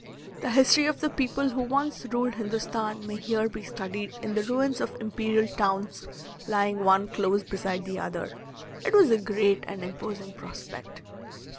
The history of the people who once ruled Hindostan may here be studied in the ruins of imperial towns, lying one close beside the other. It was a great and imposing prospect.